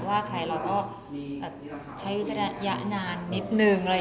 ว่าใครเราก็ใช้วิจารณญาณนิดนึง